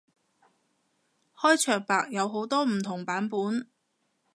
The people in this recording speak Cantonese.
開場白有好多唔同版本